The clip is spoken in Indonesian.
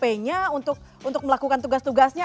p nya untuk melakukan tugas tugasnya